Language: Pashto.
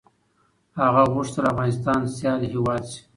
هغه غوښتل افغانستان سيال هېواد شي.